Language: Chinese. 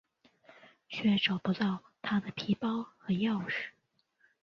却找不到她的皮包和钥匙。